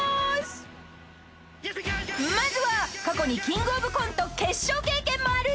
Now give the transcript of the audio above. ［まずは過去に『キングオブコント』決勝経験もある］